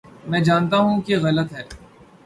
میں جانتا ہوں کہ غلط ہے۔